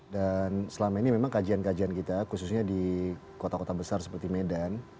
dan selama ini memang kajian kajian kita khususnya di kota kota besar seperti medan